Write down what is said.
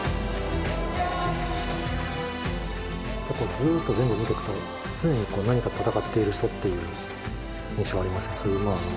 ずっと全部見てくと常に何か戦っている人っていう印象がありますね。